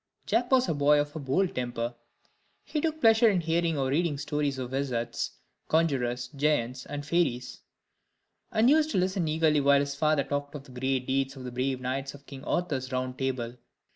Jack was a boy of a bold temper; he took pleasure in hearing or reading stories of wizards, conjurors, giants, and fairies; and used to listen eagerly while his father talked of the great deeds of the brave knights of King Arthur's Round Table.